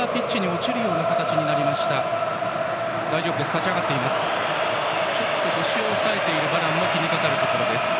ちょっと腰を押さえているバランが気にかかるところ。